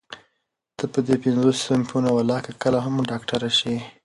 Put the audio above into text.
ته په دې پينځو صنفونو ولاکه کله هم ډاکټره شې.